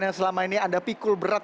yang selama ini anda pikul berat